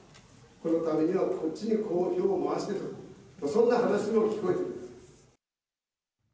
このためには、こっちにこう票を回してと、そんな話も聞こえてきます。